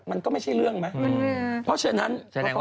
มันก็ไม่ใช่เรื่องไหมเพราะฉะนั้น